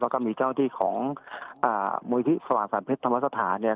แล้วก็มีเจ้าอาทิตย์ของมวิธีสวรรค์สารเพชรธรรมสถานะฮะ